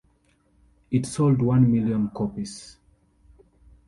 It sold one million copies.